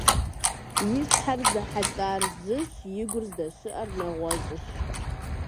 И щхьэр зэхьэлӀар - зыщ, и гур здэщыӀэр нэгъуэщӀщ.